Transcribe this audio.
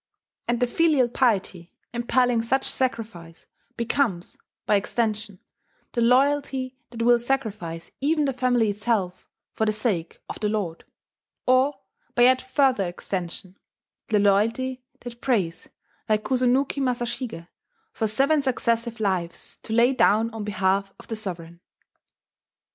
And the filial piety impelling such sacrifice becomes, by extension, the loyalty that will sacrifice even the family itself for the sake of the lord, or, by yet further extension, the loyalty that prays, like Kusunoki Masashige, for seven successive lives to lay down on behalf of the sovereign.